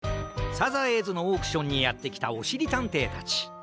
サザエーズのオークションにやってきたおしりたんていたち。